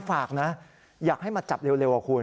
ฝากนะอยากให้มาจับเร็วอะคุณ